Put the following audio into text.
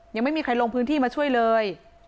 ยังไม่มีใครลงพื้นที่มาช่วยเลย